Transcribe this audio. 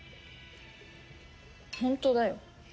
本当だよ。